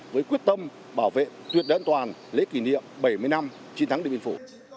với quyết tâm bảo vệ tuyệt đoàn an toàn lễ kỷ niệm bảy mươi năm chiến thắng điện biên phủ